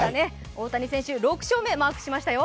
大谷選手、６勝目をマークしましたよ。